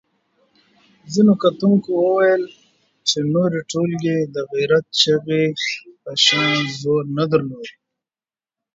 ځینو کتونکو وویل چې نورې ټولګې د غیرت چغې په شان زور نه درلود.